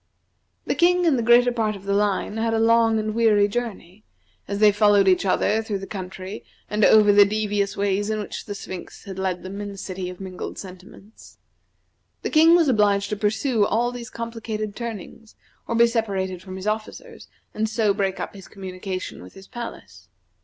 The King and the greater part of the line had a long and weary journey, as they followed each other through the country and over the devious ways in which the Sphinx had led them in the City of Mingled Sentiments. The King was obliged to pursue all these complicated turnings, or be separated from his officers, and so break up his communication with his palace.